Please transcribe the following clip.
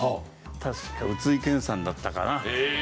確か宇津井健さんだったかな。え。